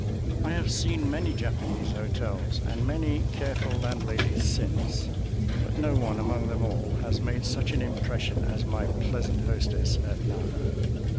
I have seen many Japanese hotels and many careful landladies since, but no one among them all has made such an impression as my pleasant hostess at Nara.